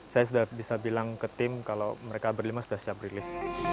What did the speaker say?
saya sudah bisa bilang ke tim kalau mereka berlima sudah siap rilis